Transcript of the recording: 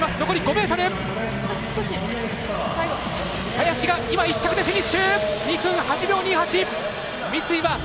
林が１着でフィニッシュ２分８秒２８！